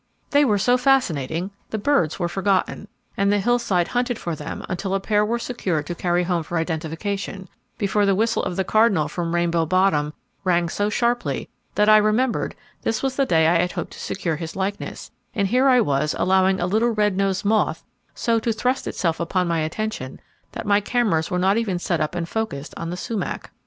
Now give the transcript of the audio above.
They, were so fascinating the birds were forgotten, and the hillside hunted for them until a pair were secured to carry home for identification, before the whistle of the cardinal from Rainbow Bottom rang so sharply that I remembered this was the day I had hoped to secure his likeness; and here I was allowing a little red nosed moth so to thrust itself upon my attention, that my cameras were not even set up and focused on the sumac.